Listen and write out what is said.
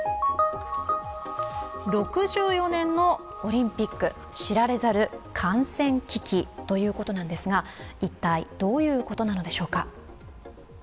６４年のオリンピック、知られざる感染危機ということなんですが、一体どういうことなのでしょうか。